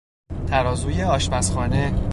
ترازوی آشپزخانه